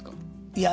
いや。